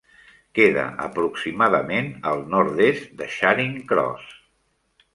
Queda aproximadament al nord-est de Charing Cross.